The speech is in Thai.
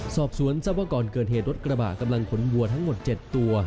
สอบสวนทรัพย์ว่าก่อนเกิดเหตุรถกระบะกำลังขนวัวทั้งหมด๗ตัว